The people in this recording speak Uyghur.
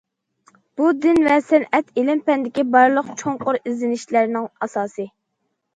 بۇ دىن ۋە سەنئەت، ئىلىم- پەندىكى بارلىق چوڭقۇر ئىزدىنىشلەرنىڭ ئاساسى.